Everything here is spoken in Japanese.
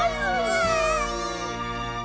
わい！